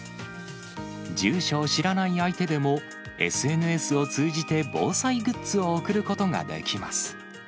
住所を知らない相手でも、ＳＮＳを通じて防災グッズを贈ることができます。